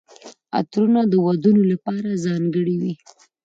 عطرونه د ودونو لپاره ځانګړي وي.